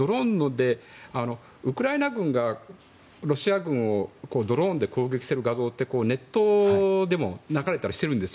ウクライナ軍がロシア軍をドローンで攻撃している画像ってネットでも流れていたりしているんですよ。